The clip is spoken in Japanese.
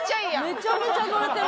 めちゃめちゃ乗れてる！